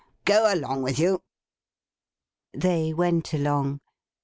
Go along with you!' They went along.